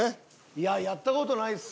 いややった事ないですよ。